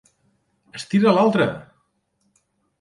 Estira l'altre!